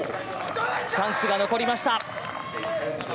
チャンスが残りました。